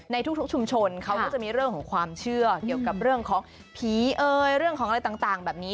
ในทุกชุมชนเขาก็จะมีเรื่องของความเชื่อเกี่ยวกับเรื่องของผีเอ่ยเรื่องของอะไรต่างแบบนี้